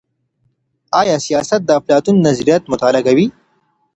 آیا سیاست د افلاطون نظریات مطالعه کوي؟